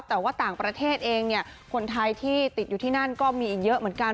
แต่ว่าต่างประเทศเองเนี่ยคนไทยที่ติดอยู่ที่นั่นก็มีอีกเยอะเหมือนกัน